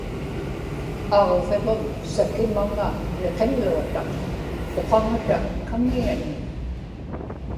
aġviġum sakimaŋa niqillautaq, uqaŋata kaŋiani